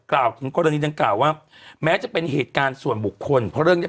กล่าวว่าแม้จะเป็นเหตุการณ์ส่วนบุคคล